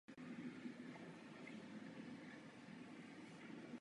V současné době přispívá jednou týdně do deníku Právo a tedy i do Novinky.cz.